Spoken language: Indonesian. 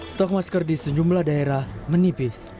stok masker di sejumlah daerah menipis